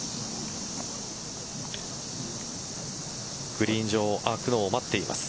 グリーン上空くのを待っています。